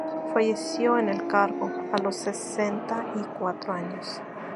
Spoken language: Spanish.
Falleció en el cargo, a los sesenta y cuatro años.